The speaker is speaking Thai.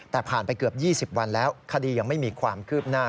แต่ผ่านไปเกือบ๒๐วันแล้วคดียังไม่มีความคืบหน้า